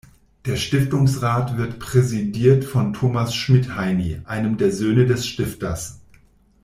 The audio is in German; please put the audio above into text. Der Stiftungsrat wird präsidiert von Thomas Schmidheiny, einem der Söhne des Stifters.